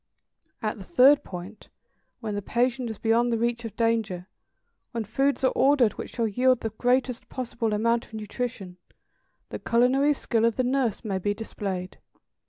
At the third point, when the patient is beyond the reach of danger, when foods are ordered which shall yield the greatest possible amount of nutrition, the culinary skill of the nurse may be displayed.